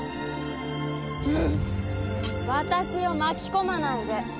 私を巻き込まないで。